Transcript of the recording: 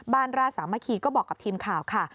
ราชสามัคคีก็บอกกับทีมข่าวค่ะ